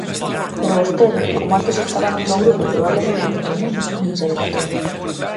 Pero vostede, como antes estaba noutro grupo e probablemente noutro mundo, nin se decatou.